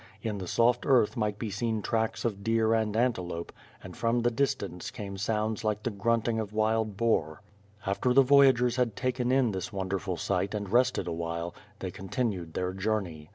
In the soft earth, might be seen tracks of deer and antelope, and from the distance came sounds like the grunting of wiW 112 WITH FIRE AND SWORD. After the voyagers had taken in this wonderful sight and rested awhile, they continued their journey.